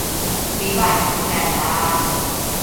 วิบัติคือการบ้าน